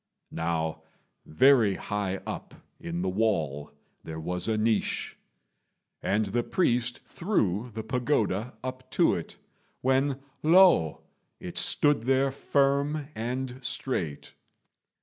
Now very high up in the wall there was a niche; and the priest threw the pagoda up to it, when lo! it stood there firm and straight.